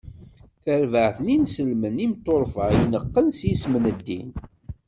D tarbaɛt n yinselmen imeṭṭurfa, ineqqen s yisem n ddin.